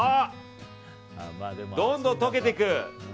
どんどん溶けていく！